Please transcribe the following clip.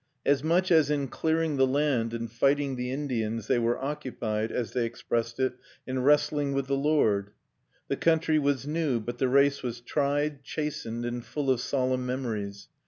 As much as in clearing the land and fighting the Indians they were occupied, as they expressed it, in wrestling with the Lord. The country was new, but the race was tried, chastened, and full of solemn memories.